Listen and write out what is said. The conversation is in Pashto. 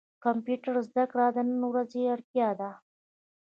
کمپيوټر زده کړه د نن ورځي اړتيا ده.